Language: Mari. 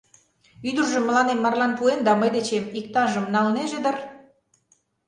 Ӱдыржым мыланем марлан пуэн да мый дечем иктажым налнеже дыр.